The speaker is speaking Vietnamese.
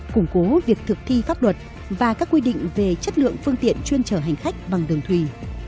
củng cố việc thực thi pháp luật và các quy định về chất lượng phương tiện chuyên trở hành khách bằng đường thủy